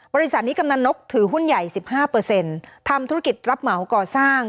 บริษัทนี้กำนันนกถือหุ้นใหญ่๑๕ทำธุรกิจรับเหมาก่อสร้าง